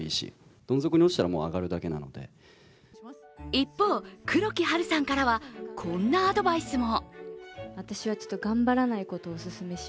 一方、黒木華さんからは、こんなアドバイスも。